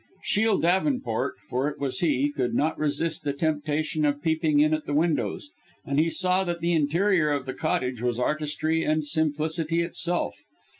Shiel Davenport, for it was he, could not resist the temptation of peeping in at the windows; and he saw that the interior of the cottage was artistry and simplicity itself.